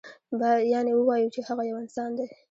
یعنې ووایو چې هغه یو انسان دی.